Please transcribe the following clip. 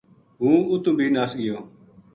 ہوں اُتو بھی نس گیو